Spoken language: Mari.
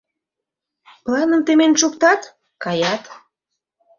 — Планым темен шуктат... каят...